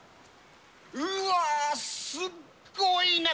うわー、すっごいね。